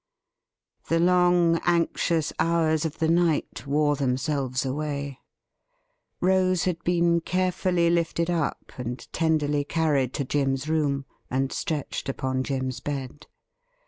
The long anxious hours of the night wore themselves away. Rose had been carefully lifted up, and tenderly carried to Jim's room and stretched upon Jim's bed.